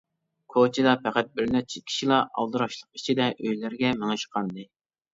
كوچىدا پەقەت بىر نەچچە كىشىلا ئالدىراشلىق ئىچىدە ئۆيلىرىگە مېڭىشقانىدى.